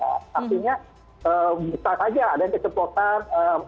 artinya bisa saja ada keceplosan